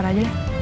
tar aja lah